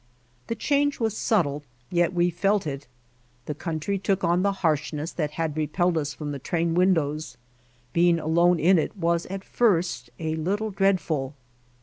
The change was subtle, yet we felt it. The country took on the harshness that had repelled us from the train windows. Being alone in it was at first a little dreadful.